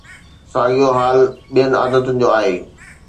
ساڳيو حال ٻين عادتن جو آهي.